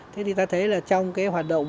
thế thì ta thấy là trong cái hoạt động